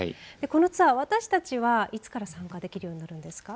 このツアー私たちは、いつから参加できるようになるんですか。